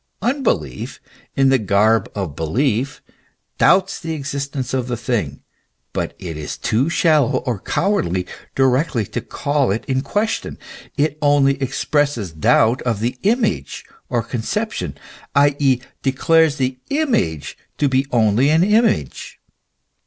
Unbelief, in the garb of belief, doubts the exist ence of the thing, but it is too shallow or cowardly directly to call it in question ; it only expresses doubt of the image or conception, i.e., declares the image to be only an image.